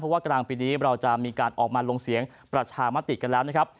ว่ากลางปีนี้เราจะมีการออกมาลงเสียงประชามติกันแล้วนะครับ